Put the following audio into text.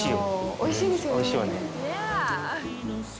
おいしいですよね。